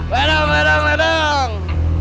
ledang ledang ledang